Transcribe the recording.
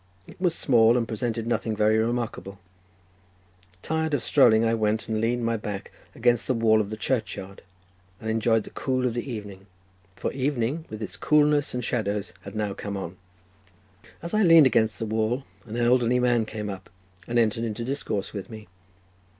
It was small, and presented nothing very remarkable. Tired of strolling, I went and leaned my back against the wall of the churchyard, and enjoyed the cool of the evening, for evening, with its coolness and shadows, had now come on. As I leaned against the wall, an elderly man came up and entered into discourse with me.